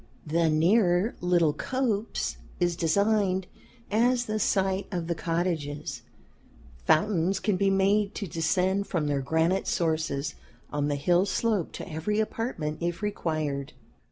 The nearer little copse is designed as the site of the cottages. Fountains can be made to descend from their granite sources on the hill slope to every apartment if required.